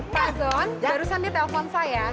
pak zon barusan di telpon saya